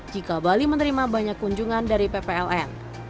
jika bali menerima banyak kunjungan dari ppln